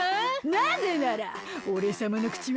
なぜならおれさまのくちは。